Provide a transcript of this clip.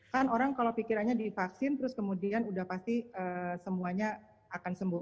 kan orang kalau pikirannya divaksin terus kemudian udah pasti semuanya akan sembuh